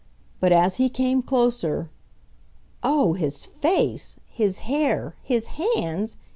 But as he came closer ... oh! his face! his hair! his hands!